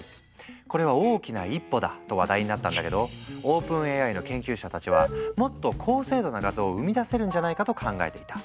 これは大きな一歩だと話題になったんだけどＯｐｅｎＡＩの研究者たちはもっと高精度な画像を生み出せるんじゃないかと考えていた。